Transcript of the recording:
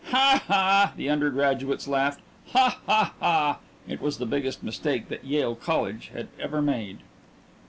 "Ha ha!" the undergraduates laughed. "Ha ha ha!" It was the biggest mistake that Yale College had ever made....